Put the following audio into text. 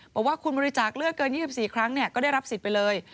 บอกว่าคุณบริจาคเลือกเกิน๒๔ครั้งก็ได้รับสิทธิ์ไปเลย